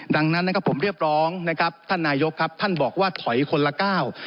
ดังนั้นผมเรียกร้องท่านนายกท่านบอกว่าถอยคนละก้าว